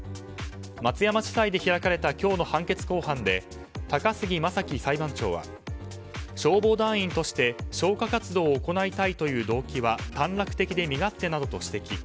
松山地裁で開かれた今日の判決公判で高杉裁判長は消防団員として消火活動を行いたいという動機は短絡的で身勝手などと指摘。